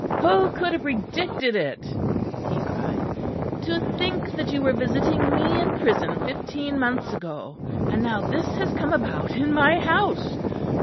"Who could have predicted it?" he cried. "To think that you were visiting me in prison fifteen months ago; and now this has come about in my house!